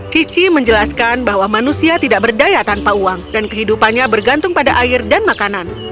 cici menjelaskan bahwa manusia tidak berdaya tanpa uang dan kehidupannya bergantung pada air dan makanan